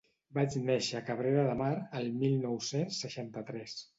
Vaig néixer a Cabrera de Mar, el mil nou-cents seixanta-tres.